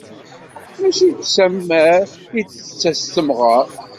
Mačči seg usammar, i d-tettas temɣer!